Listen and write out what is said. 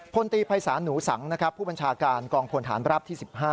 พลตีภัยศาลหนูสังผู้บัญชาการกองพลฐานบราบที่๑๕